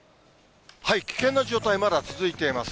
危険な状態、まだ続いています。